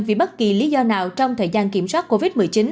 vì bất kỳ lý do nào trong thời gian kiểm soát covid một mươi chín